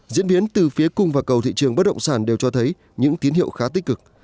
diễn biến từ phía cung và cầu thị trường bất động sản đều cho thấy những tín hiệu khá tích cực